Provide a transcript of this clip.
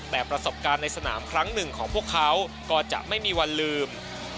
แต่ประสบการณ์ในสนามครั้งหนึ่งของพวกเขาก็จะไม่มีวันลืม